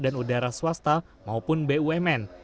dan udara swasta maupun bumn